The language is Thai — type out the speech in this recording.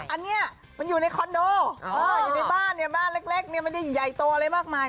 อันนี้มันอยู่ในคอนโดอยู่ในบ้านบ้านเล็กมันใหญ่ตัวอะไรมากมาย